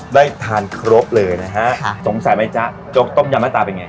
ได้ทานครบเลยนะฮะสงสัยไหมจ๊ะโจ๊กต้มยำหน้าตาเป็นไง